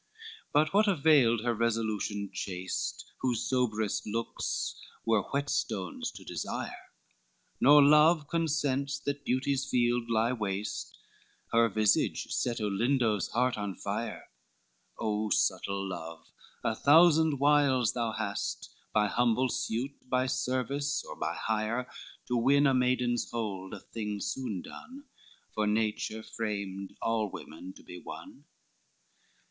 XV But what availed her resolution chaste, Whose soberest looks were whetstones to desire? Nor love consents that beauty's field lie waste, Her visage set Olindo's heart on fire, O subtle love, a thousand wiles thou hast, By humble suit, by service, or by hire, To win a maiden's hold, a thing soon done, For nature framed all women to be won.